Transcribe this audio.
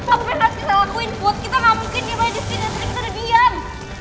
aku pengen harus bisa lakuin put kita gak mungkin nyampe disini dan sini kita udah diam